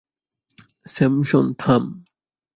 Samson, থাম!